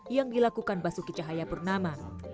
yang dilakukan pasuki cahaya pernama